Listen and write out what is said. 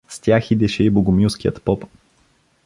С тях идеше и богомилският поп.